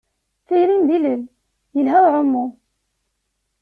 Tayrim d ilel yelha i uɛumu.